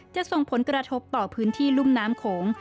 จะส่งผลกระทบต่อพื้นที่รุ่มน้ำโขง